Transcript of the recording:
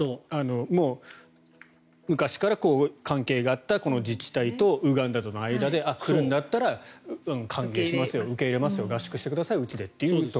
もう昔から関係があった自治体とウガンダとの間で来るんだったら歓迎しますよ受け入れますよ合宿してください、うちでと。